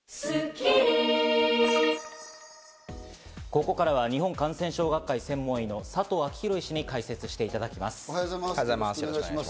ここからは日本感染症学会・専門医の佐藤昭裕医師に解説していただきます。